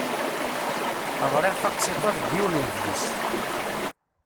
Ɣriɣ taqsiṭ-a deg yiwen udlis.